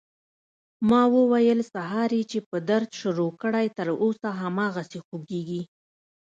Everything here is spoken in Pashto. ما وويل سهار يې چې په درد شروع کړى تر اوسه هماغسې خوږېږي.